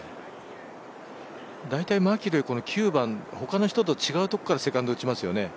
大体マキロイ、９番他の人と違うところからセカンド、打ちますよね。